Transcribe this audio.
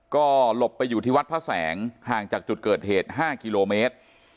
ก็หลบไปอยู่ที่วัดพระแสงห่างจากจุดเกิดเหตุ๕กิโลเมตร